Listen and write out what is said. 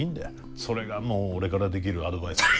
それがもう俺からできるアドバイスかな。